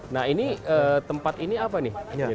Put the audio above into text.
nah ini tempat ini apa nih